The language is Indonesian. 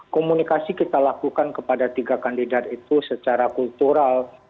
komunikasi kita lakukan kepada tiga kandidat itu secara kultural